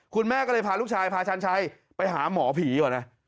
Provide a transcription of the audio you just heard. คุณแม่ก็เลยพาลูกชายพาชันชัยไปหาหมอผีก่อนนะ